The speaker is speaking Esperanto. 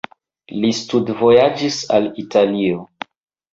Li studvojaĝis al Italio.